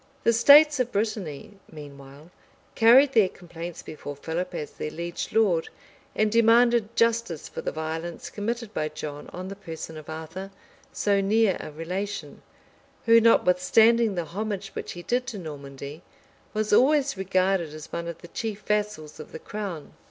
The states of Brittany meanwhile carried their complaints before Philip as their liege lord, and demanded justice for the violence committed by John on the person of Arthur, so near a relation, who, notwithstanding the homage which he did to Normandy, was always regarded as one of the chief vassals of the crown.